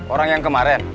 orang yang kemarin